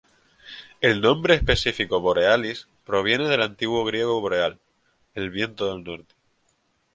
El nombre específico, "borealis", proviene del antiguo griego "boreal", el viento del norte".